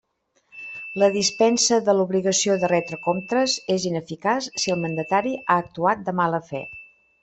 La dispensa de l'obligació de retre comptes és ineficaç si el mandatari ha actuat de mala fe.